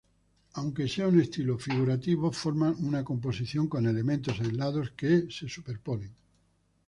Aunque sea un estilo figurativo, forman una composición con elementos aislados que se superponen.